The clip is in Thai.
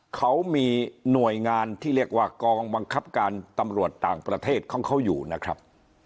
เขามีหน่วยงานที่เรียกว่ากองบังคับการตำรวจต่างประเทศของเขาอยู่นะครับ